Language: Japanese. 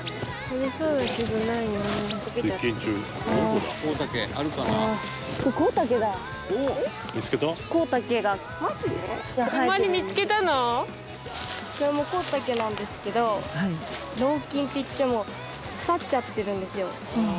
これもコウタケなんですけど老菌っていってもう腐っちゃってるんですよ。